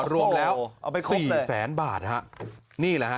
รวมแล้วเอาไปสี่แสนบาทฮะนี่แหละฮะ